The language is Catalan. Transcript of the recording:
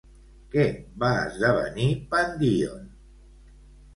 Què va esdevenir Pandíon?